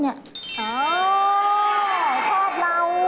ชอบเรา